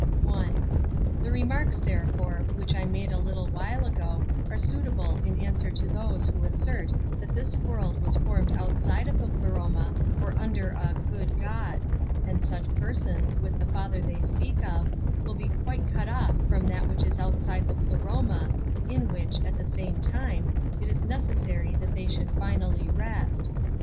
1. The remarks, therefore, Avhich I made a little while ago^ ^re suitable in answer to those who assert that this world was formed outside of the Pleroma, or imder a "good God;" and such persons, with the Father they speak of, will be quite cut off from that which is outside the Pleroma, in which, at the same time, it is necessary that they should finally rest."